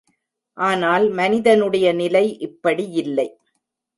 ஆனால் மனிதனுடைய நிலை இப்படியில்லை.